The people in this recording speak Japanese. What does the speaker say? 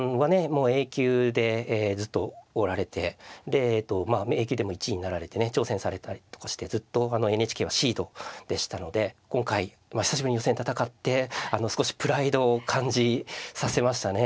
もうＡ級でずっとおられてでえとＡ級でも１位になられてね挑戦されたりとかしてずっとあのＮＨＫはシードでしたので今回久しぶりに予選戦ってあの少しプライドを感じさせましたね。